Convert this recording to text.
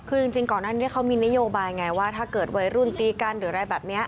คือจริงก่อนหน้านี้เขามีนโยบายไงว่าถ้าเกิดวัยรุ่นตีกันหรืออะไรแบบนี้